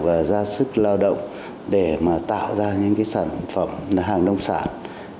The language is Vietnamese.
và ra sức lao động để mà tạo ra những cái sản phẩm hàng nông sản